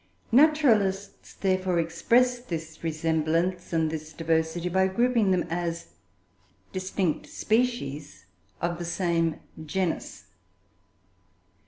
Naturalists, therefore, express this resemblance and this diversity by grouping them as distinct species of the same "genus."